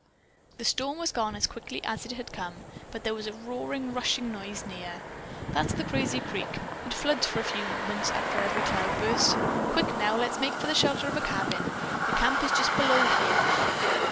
The storm was gone as quickly as it had come, but there was a roaring, rushing noise near. "That's the Crazy Creek. It floods for a few moments after every cloudburst. Quick now, let's make for the shelter of a cabin. The camp is just below here."